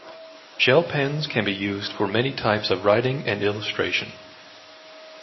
Gel pens can be used for many types of writing and illustration.